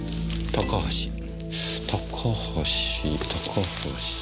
高橋高橋。